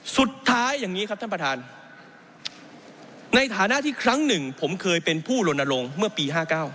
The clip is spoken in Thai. สุดท้ายอย่างนี้ครับท่านประธานในฐานะที่ครั้งหนึ่งผมเคยเป็นผู้ลนลงเมื่อปี๕๙